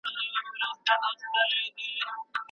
هغه ښوونځی چې پخوا ویجاړ شوی و اوس په اساسي ډول رغول شوی.